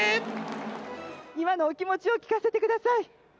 今のお気持ちを聞かせてください。